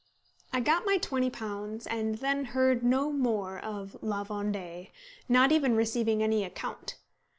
I got my £20, and then heard no more of La Vendée, not even receiving any account.